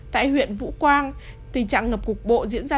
tại huyện vũ quang tình trạng ngập cục bộ diễn ra